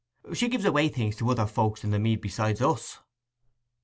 She gives away things to other folks in the meads besides us.